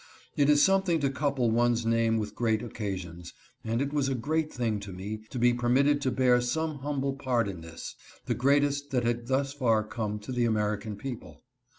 It is something to couple one's name with great occasions, and it was a great thing to me to be permitted to bear some humble part in this, the greatest that had thus far come to the American people.